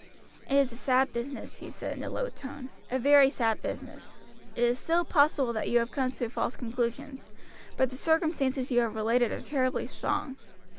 "It is a sad business," he said in a low tone, "a very sad business. It is still possible that you may have come to false conclusions; but the circumstances you have related are terribly strong.